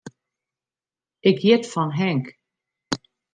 Ik hjit fan Henk.